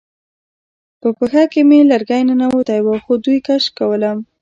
په پښه کې مې لرګی ننوتی و خو دوی کش کولم